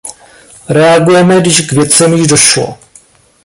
Reagujeme, když k věcem již došlo.